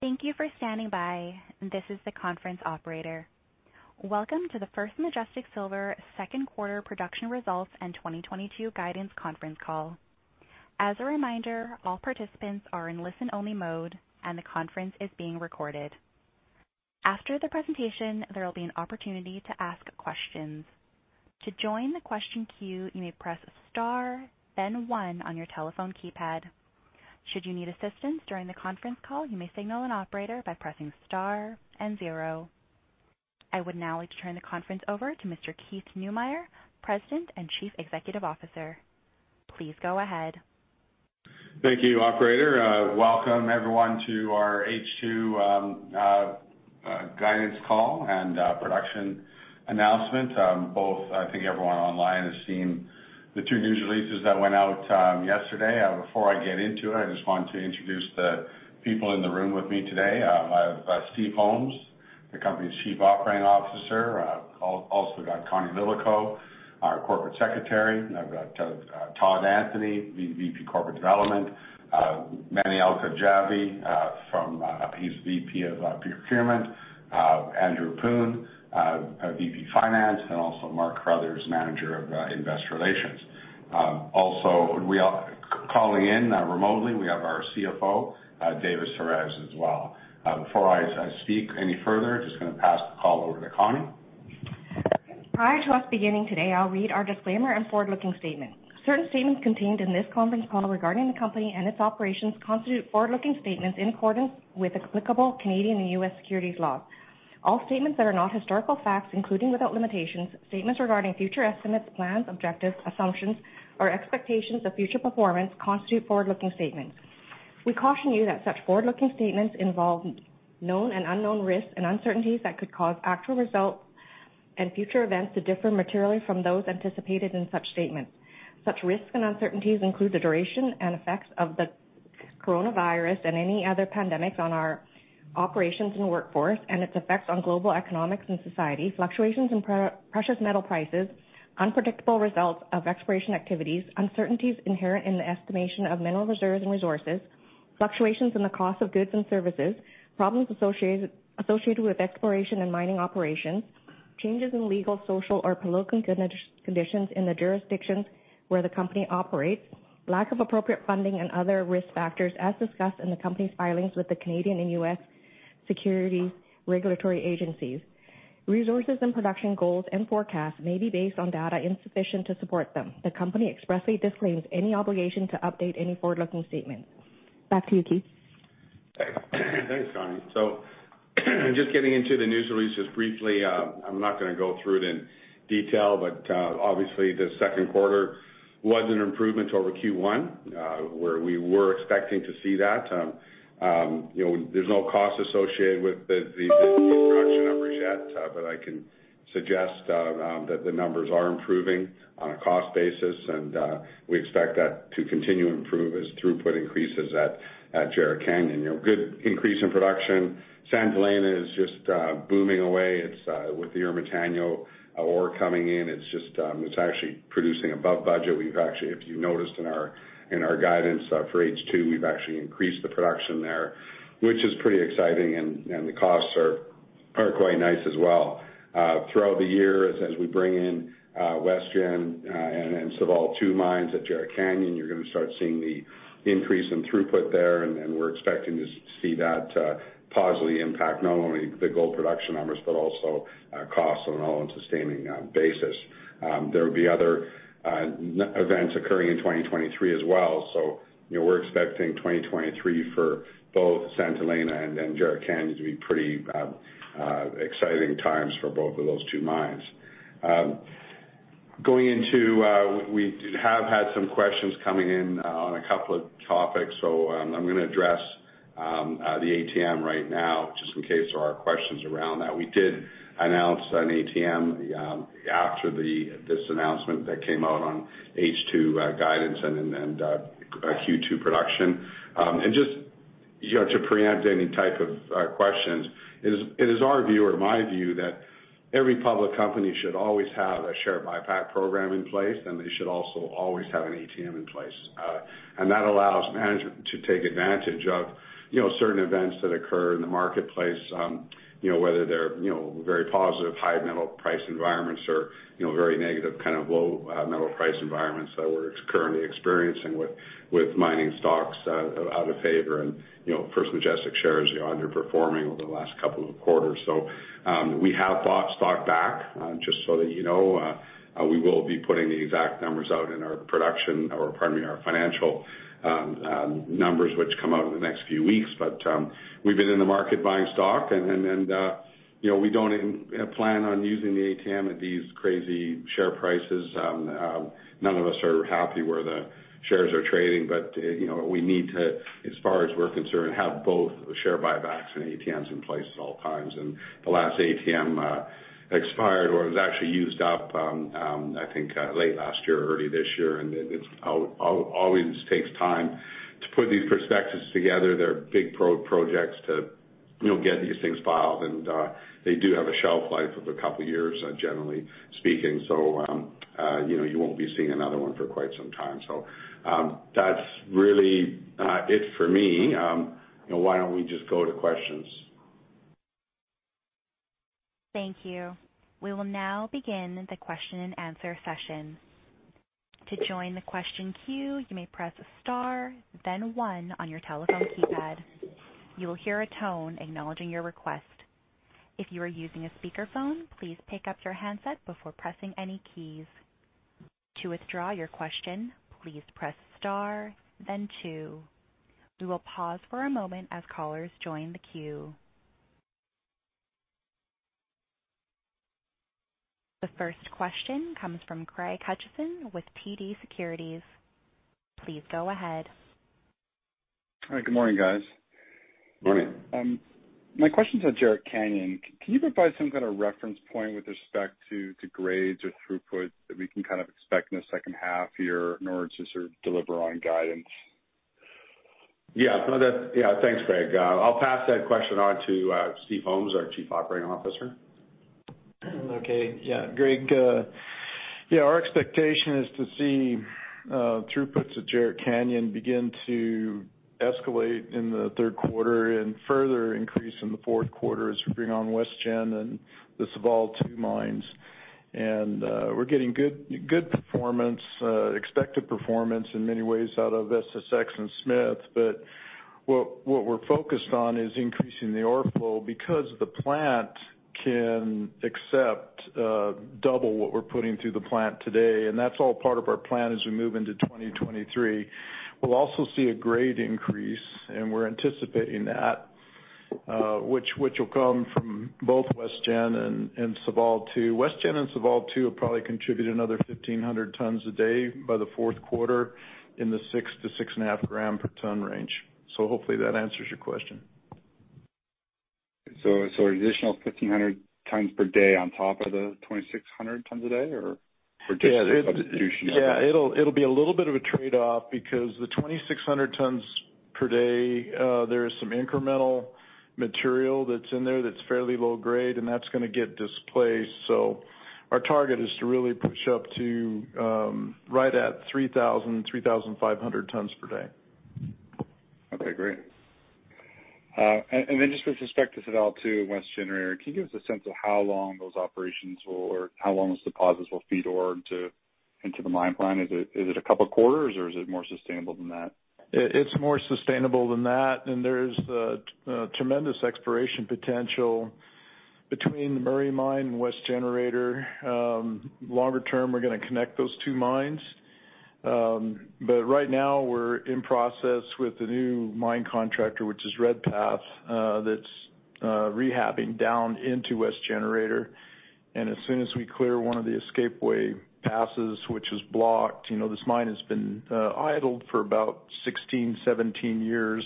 Thank you for standing by. This is the conference operator. Welcome to the First Majestic Silver second quarter production results and 2022 guidance conference call. As a reminder, all participants are in listen-only mode, and the conference is being recorded. After the presentation, there will be an opportunity to ask questions. To join the question queue, you may press star then one on your telephone keypad. Should you need assistance during the conference call, you may signal an operator by pressing star and zero. I would now like to turn the conference over to Mr. Keith Neumeyer, President and Chief Executive Officer. Please go ahead. Thank you, operator. Welcome everyone to our H2 guidance call and production announcement. Both, I think everyone online has seen the two news releases that went out yesterday. Before I get into it, I just want to introduce the people in the room with me today. I have Steve Holmes, the company's Chief Operating Officer. I've also got Connie Lillico, our Corporate Secretary. I've got Todd Anthony, VP Corporate Development, Mani Alkhafaji, he's VP of Procurement, Andrew Poon, VP Finance, and also Mark Carruthers, Manager of Investor Relations. Also, we are calling in remotely, we have our CFO, David Soares as well. Before I speak any further, just gonna pass the call over to Connie. Prior to us beginning today, I'll read our disclaimer and forward-looking statement. Certain statements contained in this conference call regarding the company and its operations constitute forward-looking statements in accordance with applicable Canadian and U.S. securities laws. All statements that are not historical facts, including without limitations, statements regarding future estimates, plans, objectives, assumptions or expectations of future performance constitute forward-looking statements. We caution you that such forward-looking statements involve known and unknown risks and uncertainties that could cause actual results and future events to differ materially from those anticipated in such statements. Such risks and uncertainties include the duration and effects of the coronavirus and any other pandemics on our operations and workforce and its effects on global economics and society, fluctuations in precious metal prices, unpredictable results of exploration activities, uncertainties inherent in the estimation of mineral reserves and resources, fluctuations in the cost of goods and services, problems associated with exploration and mining operations, changes in legal, social, or political conditions in the jurisdictions where the company operates, lack of appropriate funding and other risk factors as discussed in the company's filings with the Canadian and U.S. securities regulatory agencies. Resources and production goals and forecasts may be based on data insufficient to support them. The company expressly disclaims any obligation to update any forward-looking statement. Back to you, Keith. Thanks. Thanks, Connie. Just getting into the news releases briefly, I'm not gonna go through it in detail, but obviously the second quarter was an improvement over Q1, where we were expecting to see that. You know, there's no cost associated with the production numbers yet, but I can suggest that the numbers are improving on a cost basis, and we expect that to continue to improve as throughput increases at Jerritt Canyon. You know, good increase in production. Santa Elena is just booming away. It's with the Ermitaño ore coming in, it's just actually producing above budget. We've actually, if you noticed in our guidance, for H2, we've actually increased the production there, which is pretty exciting and the costs are quite nice as well. Throughout the year as we bring in West Generator and Saval II mines at Jerritt Canyon, you're gonna start seeing the increase in throughput there, and we're expecting to see that positively impact not only the gold production numbers but also costs on an all-in sustaining basis. There'll be other events occurring in 2023 as well. You know, we're expecting 2023 for both Santa Elena and Jerritt Canyon to be pretty exciting times for both of those two mines. We have had some questions coming in on a couple of topics, so I'm gonna address the ATM right now just in case there are questions around that. We did announce an ATM after this announcement that came out on H2 guidance and Q2 production. Just, you know, to preempt any type of questions, it is our view or my view that every public company should always have a share buyback program in place, and they should also always have an ATM in place. That allows management to take advantage of, you know, certain events that occur in the marketplace, you know, whether they're, you know, very positive high metal price environments or, you know, very negative kind of low metal price environments that we're currently experiencing with mining stocks out of favor and, you know, First Majestic shares, you know, underperforming over the last couple of quarters. We have bought stock back, just so that you know, we will be putting the exact numbers out in our production or pardon me, our financial numbers which come out in the next few weeks. We've been in the market buying stock and, you know, we don't even plan on using the ATM at these crazy share prices. None of us are happy where the shares are trading, but you know, we need to, as far as we're concerned, have both the share buybacks and ATMs in place at all times. The last ATM expired or was actually used up, I think, late last year or early this year, and it always takes time to put these prospectuses together. They're big prospectus projects too. We'll get these things filed, and they do have a shelf life of a couple of years, generally speaking. You know, you won't be seeing another one for quite some time. That's really it for me. Why don't we just go to questions? Thank you. We will now begin the question-and-answer session. To join the question queue, you may press star then one on your telephone keypad. You will hear a tone acknowledging your request. If you are using a speakerphone, please pick up your handset before pressing any keys. To withdraw your question, please press star then two. We will pause for a moment as callers join the queue. The first question comes from Craig Hutchison with TD Securities. Please go ahead. Hi. Good morning, guys. Morning. My question is on Jerritt Canyon. Can you provide some kind of reference point with respect to grades or throughputs that we can kind of expect in the second half here in order to sort of deliver on guidance? Yeah, thanks, Craig. I'll pass that question on to Steve Holmes, our Chief Operating Officer. Yeah. Craig, yeah, our expectation is to see throughputs at Jerritt Canyon begin to escalate in the third quarter and further increase in the fourth quarter as we bring on West Generator and the Saval II mines. We're getting good performance, expected performance in many ways out of SSX and Smith. What we're focused on is increasing the ore flow because the plant can accept double what we're putting through the plant today, and that's all part of our plan as we move into 2023. We'll also see a grade increase, and we're anticipating that, which will come from both West Generator and Saval II. West Generator and Saval II will probably contribute another 1,500 tons a day by the fourth quarter in the 6.0 gram-6.5 gram per ton range. Hopefully that answers your question. additional 1,500 tons per day on top of the 2,600 tons a day. Yeah. Just in substitution of it? Yeah, it'll be a little bit of a trade-off because the 2,600 tons per day, there is some incremental material that's in there that's fairly low grade and that's gonna get displaced. Our target is to really push up to right at 3,000-3,500 tons per day. Okay, great. Just with respect to Saval II, West Generator, can you give us a sense of how long those operations will or how long those deposits will feed ore into the mine plan? Is it a couple quarters, or is it more sustainable than that? It's more sustainable than that. There's tremendous exploration potential between the Murray mine and West Generator. Longer term, we're gonna connect those two mines. Right now we're in process with the new mine contractor, which is Redpath, that's rehabbing down into West Generator. As soon as we clear one of the escape way passes, which is blocked, you know, this mine has been idled for about 16, 17 years.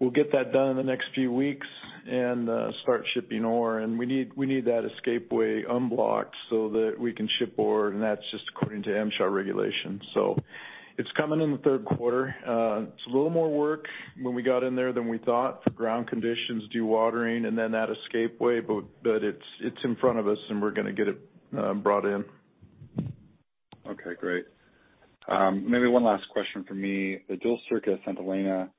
We'll get that done in the next few weeks and start shipping ore. We need that escape way unblocked so that we can ship ore, and that's just according to MSHA regulations. It's coming in the third quarter. It's a little more work when we got in there than we thought for ground conditions, dewatering and then that escape way, but it's in front of us, and we're gonna get it brought in. Okay, great. Maybe one last question from me. The dual-circuit at Santa Elena,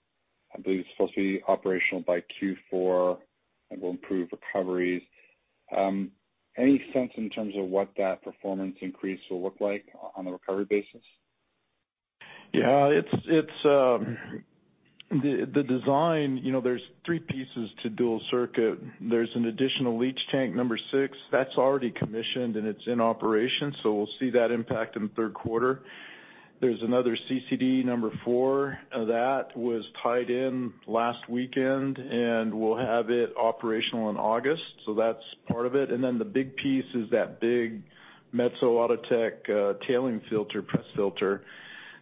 I believe it's supposed to be operational by Q4 and will improve recoveries. Any sense in terms of what that performance increase will look like on a recovery basis? It's the design, you know. There's three pieces to dual-circuit. There's an additional Leach Tank #6 that's already commissioned, and it's in operation, so we'll see that impact in the third quarter. There's another CCD #4. That was tied in last weekend, and we'll have it operational in August, so that's part of it. Then the big piece is that big Metso Outotec tailings filter press.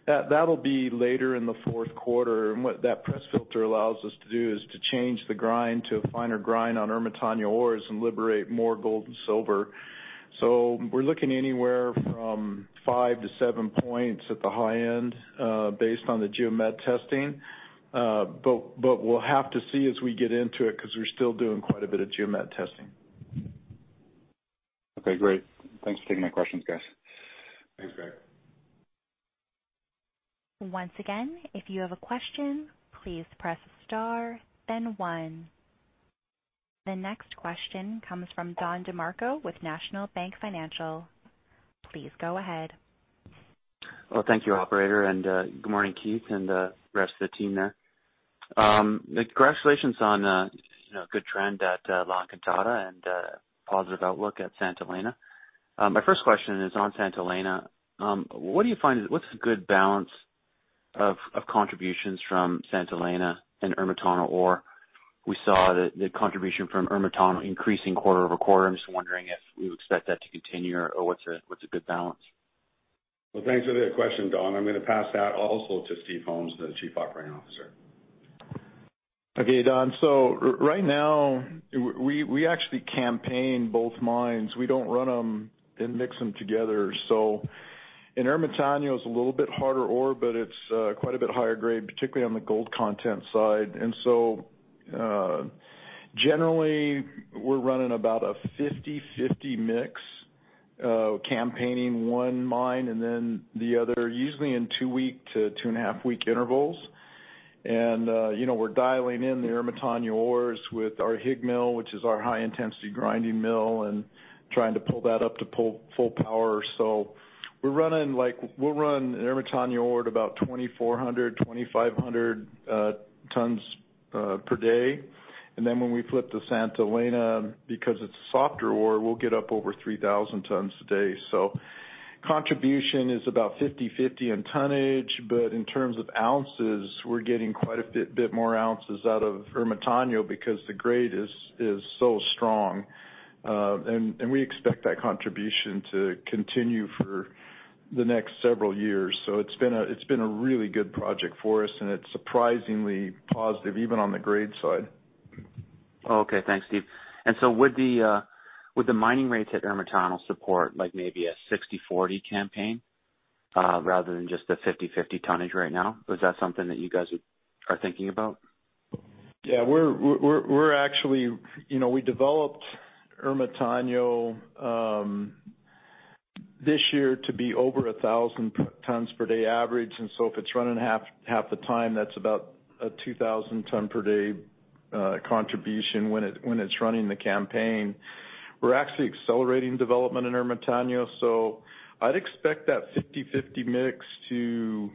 That'll be later in the fourth quarter. What that press filter allows us to do is to change the grind to a finer grind on Ermitaño ores and liberate more gold and silver. We're looking anywhere from 5%-7% at the high end, based on the geomet testing. We'll have to see as we get into it 'cause we're still doing quite a bit of geomet testing. Okay, great. Thanks for taking my questions, guys. Thanks, Craig. Once again, if you have a question, please press star then one. The next question comes from Don DeMarco with National Bank Financial. Please go ahead. Well, thank you, operator. Good morning, Keith and rest of the team there. Congratulations on, you know, good trend at La Encantada and positive outlook at Santa Elena. My first question is on Santa Elena. What's a good balance of contributions from Santa Elena and Ermitaño ore? We saw that the contribution from Ermitaño increasing quarter-over-quarter. I'm just wondering if you expect that to continue or what's a good balance. Well, thanks for the question, Don. I'm gonna pass that also to Steve Holmes, the Chief Operating Officer. Okay, Don. Right now, we actually campaign both mines. We don't run them and mix them together. Ermitaño's a little bit harder ore, but it's quite a bit higher grade, particularly on the gold content side. Generally, we're running about a 50/50 mix, campaigning one mine and then the other, usually in two-week to 2.5-week intervals. You know, we're dialing in the Ermitaño ores with our HIG mill, which is our high intensity grinding mill, and trying to pull that up to full power. We're running Ermitaño ore at about 2,400-2,500 tons per day. When we flip to Santa Elena, because it's softer ore, we'll get up over 3,000 tons a day. Contribution is about 50/50 in tonnage, but in terms of ounces, we're getting quite a bit more ounces out of Ermitaño because the grade is so strong. And we expect that contribution to continue for the next several years. It's been a really good project for us, and it's surprisingly positive even on the grade side. Oh, okay. Thanks, Steve. Would the mining rates at Ermitaño support like maybe a 60/40 campaign, rather than just the 50/50 tonnage right now? Is that something that you guys are thinking about? Yeah. We're actually you know, we developed Ermitaño this year to be over 1,000 tons per day average. If it's running half the time, that's about a 2,000 tons per day contribution when it's running the campaign. We're actually accelerating development in Ermitaño, so I'd expect that 50/50 mix to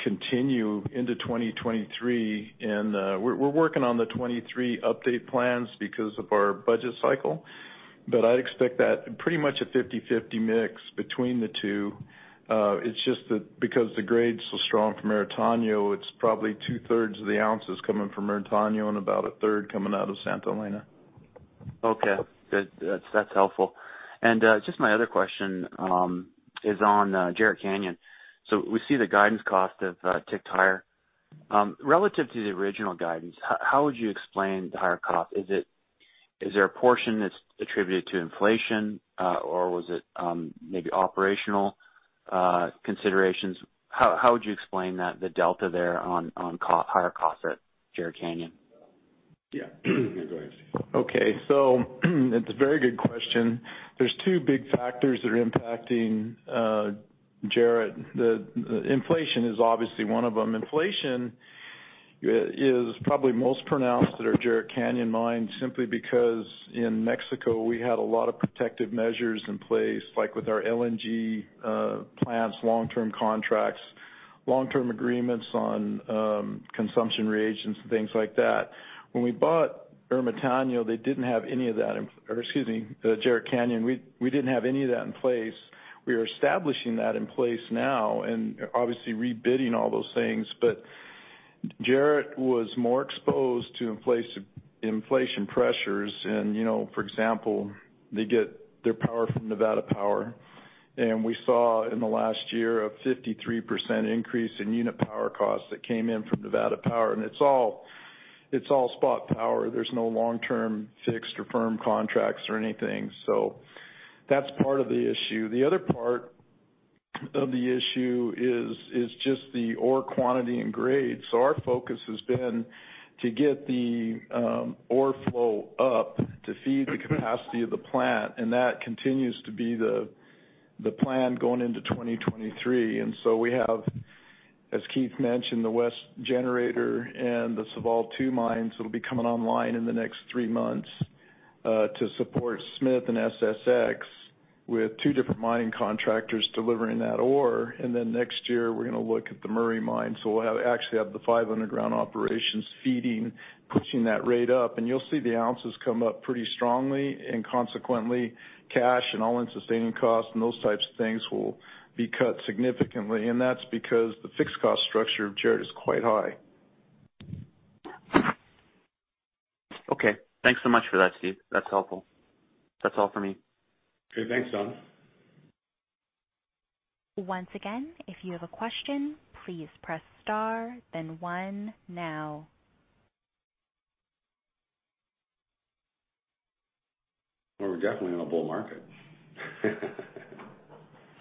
continue into 2023. We're working on the 2023 update plans because of our budget cycle. I'd expect that pretty much a 50/50 mix between the two. It's just that because the grade's so strong from Ermitaño, it's probably two-thirds of the ounces coming from Ermitaño and about a third coming out of Santa Elena. Okay. Good. That's helpful. Just my other question is on Jerritt Canyon. We see the guidance cost have ticked higher. Relative to the original guidance, how would you explain the higher cost? Is there a portion that's attributed to inflation, or was it maybe operational considerations? How would you explain that, the delta there on cost, higher costs at Jerritt Canyon? Yeah. Go ahead, Steve. Okay. It's a very good question. There's two big factors that are impacting Jerritt Canyon. The inflation is obviously one of them. Inflation is probably most pronounced at our Jerritt Canyon Mine simply because in Mexico, we had a lot of protective measures in place, like with our LNG plants, long-term contracts, long-term agreements on consumption reagents and things like that. When we bought Ermitaño, they didn't have any of that in Jerritt Canyon. We didn't have any of that in place. We are establishing that in place now and obviously rebidding all those things. Jerritt Canyon was more exposed to inflation pressures and, you know, for example, they get their power from Nevada Power. We saw in the last year a 53% increase in unit power costs that came in from Nevada Power. It's all spot power. There's no long-term fixed or firm contracts or anything. That's part of the issue. The other part of the issue is just the ore quantity and grade. Our focus has been to get the ore flow up to feed the capacity of the plant, and that continues to be the plan going into 2023. We have, as Keith mentioned, the West Generator and the Saval II mines that'll be coming online in the next three months to support Smith and SSX with two different mining contractors delivering that ore. Then next year, we're gonna look at the Murray mine. We'll actually have the five underground operations feeding, pushing that rate up. You'll see the ounces come up pretty strongly, and consequently, cash and all-in sustaining costs and those types of things will be cut significantly. That's because the fixed cost structure of Jerritt is quite high. Okay. Thanks so much for that, Steve. That's helpful. That's all for me. Okay. Thanks, Don. Once again, if you have a question, please press star then one now. We're definitely in a bull market.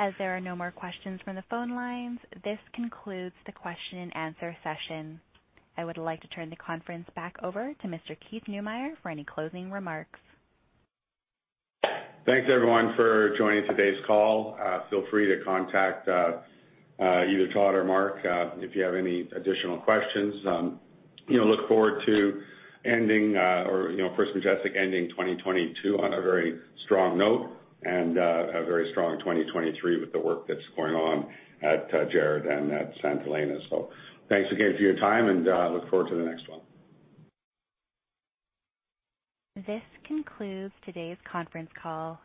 As there are no more questions from the phone lines, this concludes the question and answer session. I would like to turn the conference back over to Mr. Keith Neumeyer for any closing remarks. Thanks, everyone, for joining today's call. Feel free to contact either Todd or Mark if you have any additional questions. You know, look forward to ending or, you know, for First Majestic ending 2022 on a very strong note and a very strong 2023 with the work that's going on at Jerritt and at Santa Elena. Thanks again for your time and look forward to the next one. This concludes today's conference call.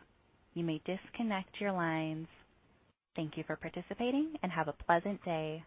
You may disconnect your lines. Thank you for participating, and have a pleasant day.